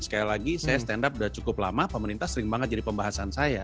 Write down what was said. sekali lagi saya stand up sudah cukup lama pemerintah sering banget jadi pembahasan saya